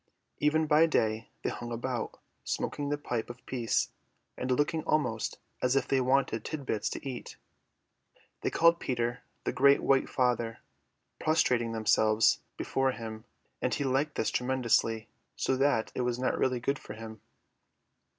Even by day they hung about, smoking the pipe of peace, and looking almost as if they wanted tit bits to eat. They called Peter the Great White Father, prostrating themselves before him; and he liked this tremendously, so that it was not really good for him.